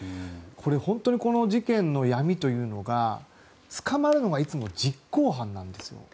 本当にこの事件の闇というのが捕まるのがいつも実行犯なんですよ。